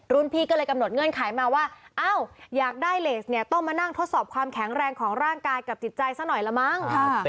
พี่ก็เลยกำหนดเงื่อนไขมาว่าอ้าวอยากได้เลสเนี่ยต้องมานั่งทดสอบความแข็งแรงของร่างกายกับจิตใจซะหน่อยละมั้ง